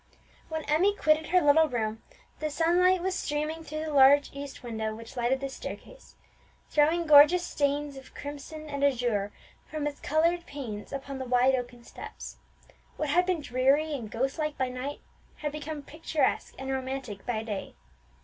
When Emmie quitted her little room, the sunlight was streaming through the large east window which lighted the staircase, throwing gorgeous stains of crimson and azure from its coloured panes upon the wide oaken steps. What had been dreary and ghost like by night, had become picturesque and romantic by day.